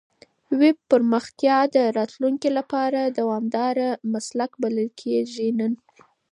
ویب پرمختیا د راتلونکي لپاره دوامدار مسلک بلل کېږي نن.